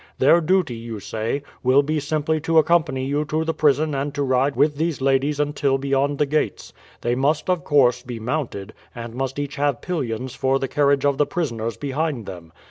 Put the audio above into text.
Their duty, you say, will be simply to accompany you to the prison and to ride with you with these ladies until beyond the gates. They must, of course, be mounted, and must each have pillions for the carriage of the prisoners behind them.